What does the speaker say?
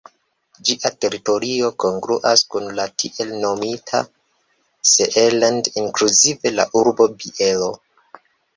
Ĝia teritorio kongruas kun la tiel nomita Seeland inkluzive la urbo Bielo.